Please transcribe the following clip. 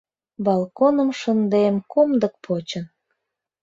Балконым шындем комдык почын